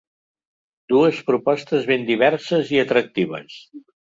Dues propostes ben diverses i atractives.